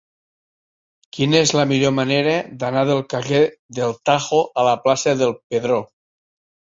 Quina és la millor manera d'anar del carrer del Tajo a la plaça del Pedró?